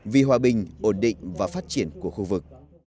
vì hòa bình ổn định và phát triển của khu vực